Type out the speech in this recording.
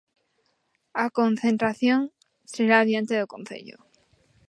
A concentración será diante do Concello.